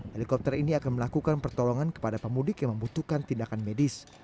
helikopter ini akan melakukan pertolongan kepada pemudik yang membutuhkan tindakan medis